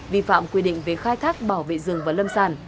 vi phạm quy định về khai thác bảo vệ rừng và lâm sản